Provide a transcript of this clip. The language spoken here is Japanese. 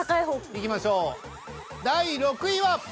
いきましょう第６位は。